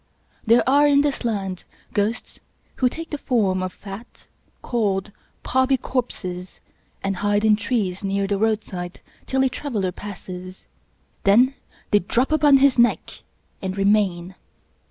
There are, in this land, ghosts who take the form of fat, cold, pobby corpses, and hide in trees near the roadside till a traveler passes. Then they drop upon his neck and remain.